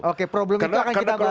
oke problem itu akan kita bahas